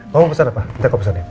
mau pesan apa minta kau pesanin